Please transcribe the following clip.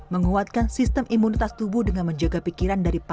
menguatkan sistem imunitas tubuh dengan menjaga pikiran dari pasien